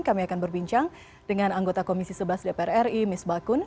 kami akan berbincang dengan anggota komisi sebelas dpr ri misbakun